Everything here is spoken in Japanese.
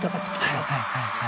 はいはいはいはい。